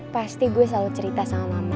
pasti gue selalu cerita sama mama